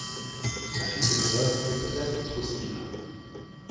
Son successeur est peut-être Thraustila.